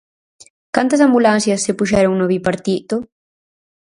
¿Cantas ambulancias se puxeron no bipartito?